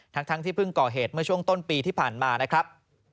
ทั้งที่เพิ่งก่อเหตุเมื่อช่วงต้นปีที่ผ่านมานะครับ